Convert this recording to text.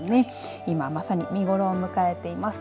今まさに見頃を迎えています。